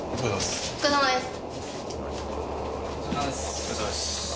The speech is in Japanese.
お疲れさまです。